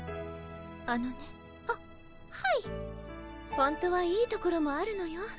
本当はいいところもあるのよ